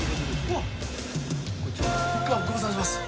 あっご無沙汰してます。